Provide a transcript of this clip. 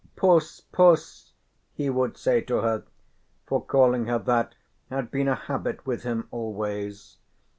"Puss, Puss," he would say to her, for calling her that had been a habit with him always.